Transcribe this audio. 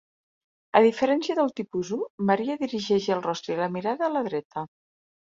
A diferència del Tipus-I, Maria dirigeix el rostre i la mirada a la dreta.